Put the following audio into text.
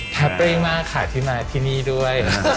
แฮปปี้มากค่ะที่มาที่นี่ด้วย